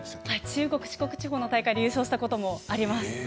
中国四国大会で優勝したこともあります。